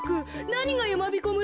なにがやまびこ村